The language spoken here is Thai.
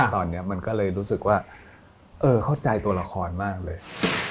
ตอนนี้มันก็เลยรู้สึกว่าเออเข้าใจตัวละครมากเลย